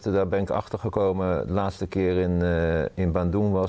จะต้องการคงพูดถ้าใครก็ต้องการ